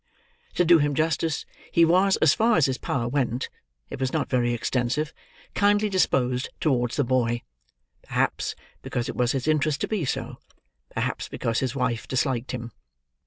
To do him justice, he was, as far as his power went—it was not very extensive—kindly disposed towards the boy; perhaps, because it was his interest to be so; perhaps, because his wife disliked him.